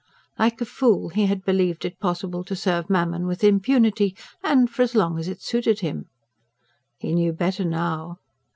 Like a fool he had believed it possible to serve mammon with impunity, and for as long as it suited him. He knew better now.